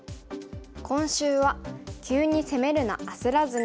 今週は「急に攻めるなあせらずに！」。